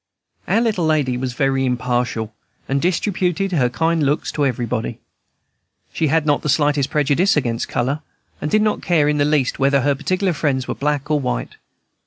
Our little lady was very impartial, and distributed her kind looks to everybody. She had not the slightest prejudice against color, and did not care in the least whether her particular friends were black or white.